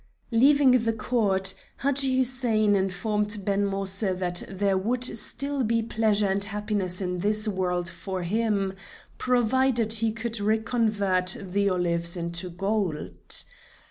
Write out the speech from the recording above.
Leaving the court, Hadji Hussein informed Ben Moïse that there would still be pleasure and happiness in this world for him, provided he could reconvert the olives into gold.